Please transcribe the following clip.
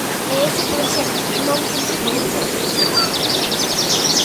E ese proxecto non cumpre con ese requisito.